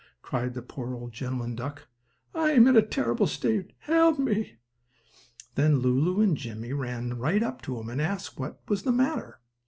cried the poor old gentleman duck. "I am in a terrible state! Help me!" Then Lulu and Jimmie ran right up to him, and asked him what was the matter.